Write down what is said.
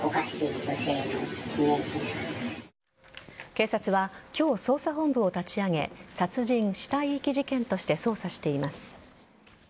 警察は今日捜査本部を立ち上げ殺人死体遺棄事件として捜査しています。